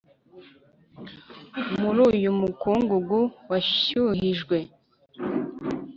muri uriya mukungugu washyuhijwe